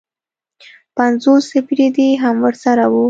پنځوس اپرېدي هم ورسره وو.